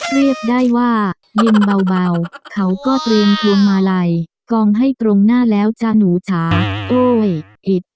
เรียกได้ว่าเล่นเบาเขาก็เตรียมพวงมาลัยกองให้ตรงหน้าแล้วจ้าหนูจ๋าโอ้ยอิด